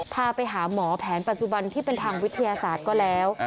พาไปหาหมอแผนปัจจุบันที่เป็นทางวิทยาศาสตร์ก็แล้ว